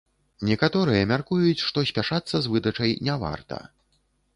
Некаторыя мяркуюць, што спяшацца з выдачай не варта.